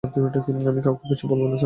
আমি কাউকে কিচ্ছু বলবো না, স্যার।